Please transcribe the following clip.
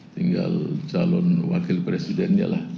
tinggal calon wakil presidennya lah